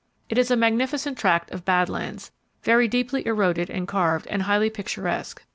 It is a magnificent tract of bad lands, very deeply eroded and carved, and highly picturesque.